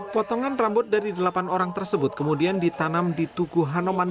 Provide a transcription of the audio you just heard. potongan rambut dari delapan orang tersebut kemudian ditanam di tugu hanuman